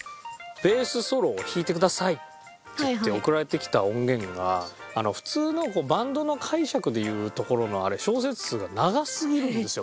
「ベースソロを弾いてください」っていって送られてきた音源が普通のバンドの解釈でいうところの小節数が長すぎるんですよ